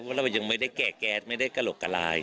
เพราะเรายังไม่ได้แก่แก๊สไม่ได้กระหลกกระลาย